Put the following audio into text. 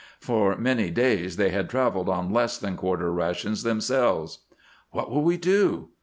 For many days they had traveled on less than quarter rations themselves. "What will we do?"